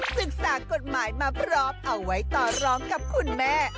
ศึกษากฎหมายมาพร้อมเอาไว้ต่อรองกับคุณแม่